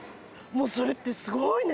もうそれってすごいね。